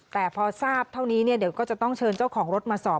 แต่พอทราบเท่านี้เดี๋ยวก็จะต้องเชิญเจ้าของรถมาสอบ